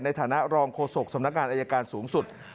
ในฐานะรองโฆษกสำนักงานอายการสูงสุด